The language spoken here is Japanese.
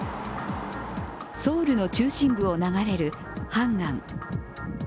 ソウルの中心部を流れるハンガン。